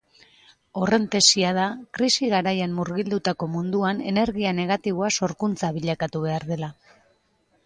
Horren tesia da krisi-garaian murgildutako munduan energia negatiboa sorkuntza bilakatu behar dela.